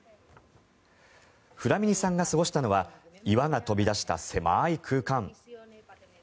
フラミニさんが過ごしたのは岩が飛び出した狭い空間。